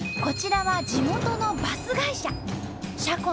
こちらは地元のバス会社。